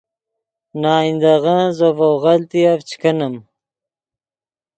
نے آئندغن زو ڤؤ غلطیف چے کینیم